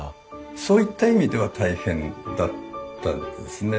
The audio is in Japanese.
そういった意味では大変だったですね。